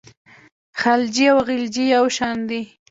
خلجي او غلجي یو شان دي.